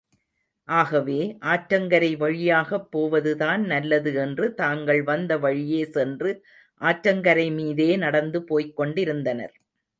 ஆகவே, ஆற்றங்கரை வழியாகப் போவதுதான் நல்லது என்று, தாங்கள் வந்த வழியே சென்று ஆற்றங்கரைமீதே நடந்து போய்க் கொண்டிருந்தனர்.